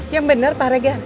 yang benar pak regat